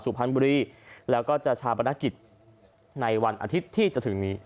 สุพรรณบุรีแล้วก็จะชาปนกิจในวันอาทิตย์ที่จะถึงนี้